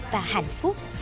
và hạnh phúc